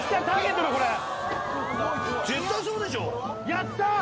やった！